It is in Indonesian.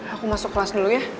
aku masuk kelas dulu ya